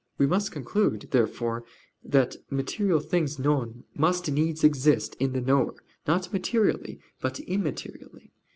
We must conclude, therefore, that material things known must needs exist in the knower, not materially, but immaterially.